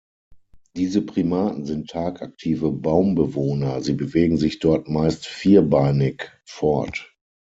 Diese Primaten sind tagaktive Baumbewohner, sie bewegen sich dort meist vierbeinig fort.